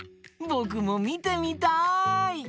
ぼくもみてみたい！